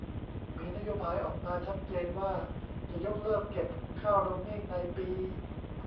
มีนโยบายออกมาชัดเจนว่าจะยกเลิกเก็บค่าโรมมิ่งในปี